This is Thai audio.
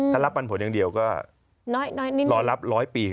ถ้ารับปันผลอย่างเดียวก็รอรับ๑๐๐ปี